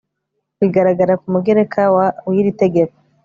bigaragara ku mugereka wa w iri tegeko